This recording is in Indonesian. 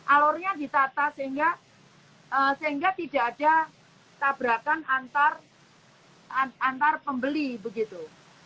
alurnya ditata sehingga tidak ada tabrakan antar pembeli begitu